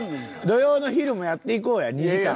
土曜の昼もやっていこうや２時間。